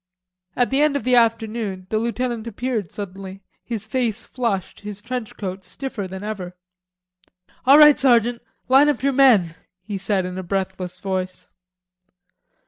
At the end of the afternoon, the lieutenant appeared suddenly, his face flushed, his trench coat stiffer than ever. "All right, sergeant; line up your men," he said in a breathless voice.